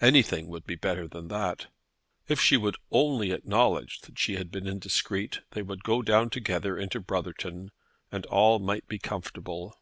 Anything would be better than that. If she would only acknowledge that she had been indiscreet, they would go down together into Brothershire, and all might be comfortable.